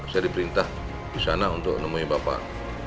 saya diperintah disana untuk nemuin bapak